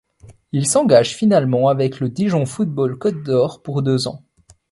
Il s'engage finalement avec le Dijon Football Côte-d'Or pour deux ans.